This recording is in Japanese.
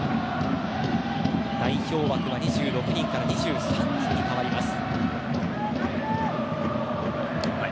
代表枠は２６人から２３人に変わります。